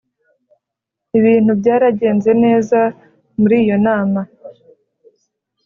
ibintu byaragenze neza muri iyo nama